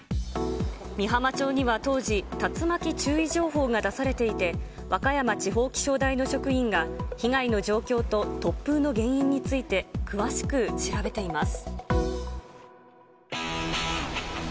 美浜町には当時、竜巻注意情報が出されていて、和歌山地方気象台の職員が被害の状況と突風の原因について、詳しく調べています。